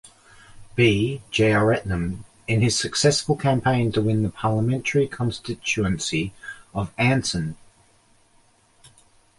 B. Jeyaretnam, in his successful campaign to win the parliamentary constituency of Anson.